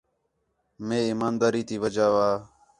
مئے ایمانداری تی وجہ وا